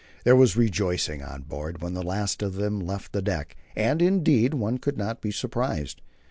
There was rejoicing on board when the last of them left the deck, and, indeed, one could not be surprised.